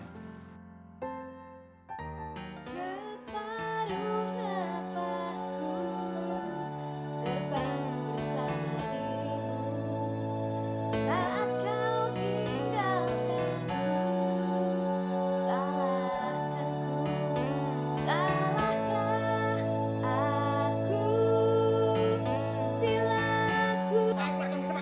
salahkah aku bila aku